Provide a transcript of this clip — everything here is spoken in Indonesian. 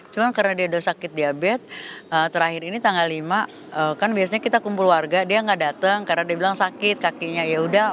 cuma karena dia udah sakit diabetes terakhir ini tanggal lima kan biasanya kita kumpul warga dia nggak datang karena dia bilang sakit kakinya yaudah